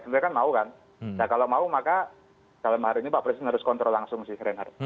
sebenarnya kan mau kan kalau mau maka dalam hari ini pak presiden harus kontrol langsung sih reinhardt